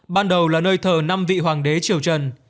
ban đầu là nơi thờ năm vị hoàng đế triều trần